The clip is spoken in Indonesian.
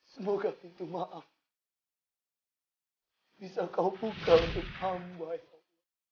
semoga pintu maafmu bisa kau buka untuk hamba yang